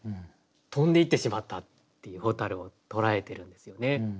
飛んでいってしまったっていう蛍を捉えてるんですよね。